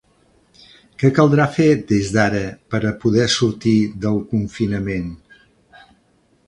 Què caldrà fer des d’ara per a poder sortir del confinament?